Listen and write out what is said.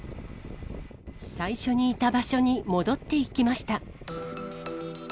最初にいた場所に戻っていきました。